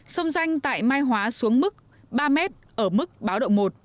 sông danh tại mai hóa xuống mức ba m ở mức báo động một